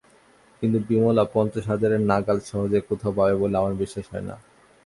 কিন্তু বিমলা পঞ্চাশ হাজারের নাগাল সহজে কোথাও পাবে বলে আমার বিশ্বাস হয় না।